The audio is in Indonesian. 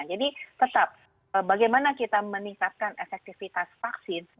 jadi tetap bagaimana kita meningkatkan efektivitas vaksin